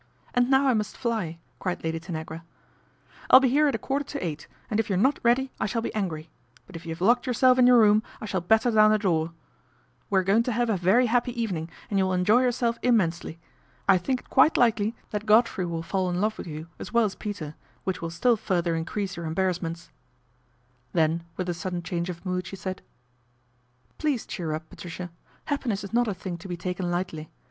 And now I must fly," cried Lady Tanagra " I will be here at a quarter to eight, and if you are not ready I shall be angry ; but' if you have locked yourself in your room I shall batter down the door. We are going to have a very happy evening and you will enjoy yourselJ immensely. I think it quite likely that Godfre}, will fall in love with you as well as Peter, whicl will still further increase your embarrassments/ A BOMBSHELL 179 Then with a sudden change of mood she said, Please cheer up, Patricia, happiness is not a thing to be taken lightly.